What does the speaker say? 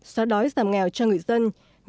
xóa đói giảm nghèo cho người dân